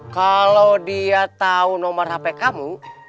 kalau dia tahu nomor hp kamu